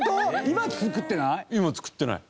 今作ってない。